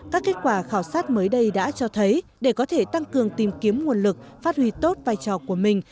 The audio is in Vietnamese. các kết quả khảo sát mới đây đã cho thấy để có thể tăng cường tìm kiếm nguồn lực phát huy tốt vai trò của mình